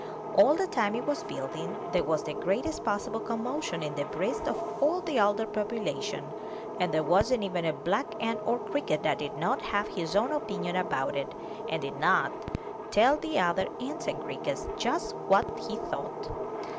All the time it was building, there was the greatest possible commotion in the breasts of all the older population; and there wasn't even a black ant or a cricket that did not have his own opinion about it, and did not tell the other ants and crickets just what he thought.